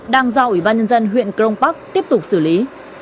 đang do ủy ban nhân dân huyện cron park tiếp tục xử lý